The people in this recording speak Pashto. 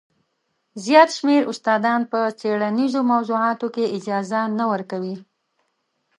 زیات شمېر استادان په څېړنیزو موضوعاتو کې اجازه نه ورکوي.